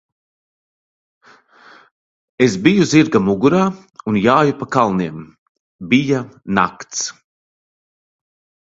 Es biju zirga mugurā un jāju pa kalniem. Bija nakts.